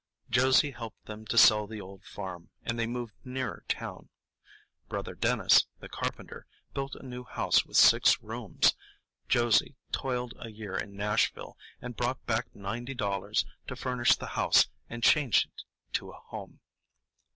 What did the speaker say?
Josie helped them to sell the old farm, and they moved nearer town. Brother Dennis, the carpenter, built a new house with six rooms; Josie toiled a year in Nashville, and brought back ninety dollars to furnish the house and change it to a home.